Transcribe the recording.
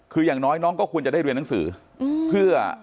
คืออย่างน้อยน้องก็ควรจะได้เรียนหนังสือเพื่อ